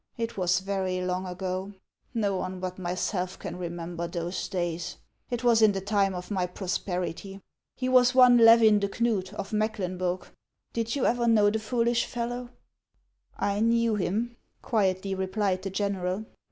It was very long ago. Xo one but myself can remember those days. It was in the time of my prosperity. He was one Levin de Knud, of Mecklenburg. Did you ever know the foolish fellow ?"" I knew him," quietly replied the general.